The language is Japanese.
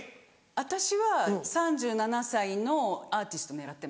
私は３７歳のアーティスト狙ってます。